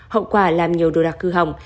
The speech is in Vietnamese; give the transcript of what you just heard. hậu quả làm nhiều đồ đặc cư hỏng